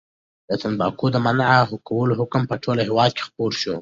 د تنباکو د منع کولو حکم په ټول هېواد کې خپور شو.